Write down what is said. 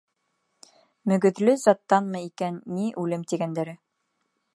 Мөгөҙлө заттанмы икән ни Үлем тигәндәре?